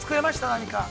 何か。